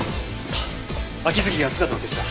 秋月が姿を消した。